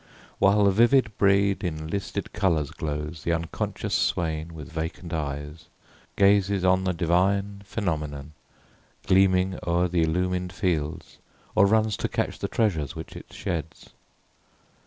while the vivid brede In listed colours glows, th' unconscious swain, With vacant eye, gazes on the divine Phenomenon, gleaming o'er the illumined fields, Or runs to catch the treasures which it sheds.